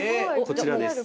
こちらです。